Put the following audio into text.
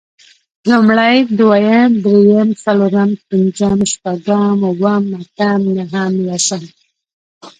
لومړی، دويم، درېيم، څلورم، پنځم، شپږم، اووم، اتم، نهم، لسم